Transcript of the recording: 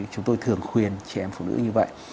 chúng tôi thường khuyên trẻ em phụ nữ như vậy